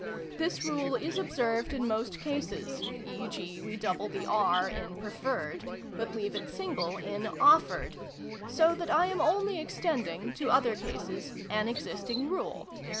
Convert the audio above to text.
This rule is observed in most cases (e.g. we double the " r " in " preferred," but leave it single in "offered"), so that I am only ex tending, to other cases, an existing rule.